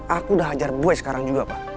aku udah hajar bue sekarang juga pak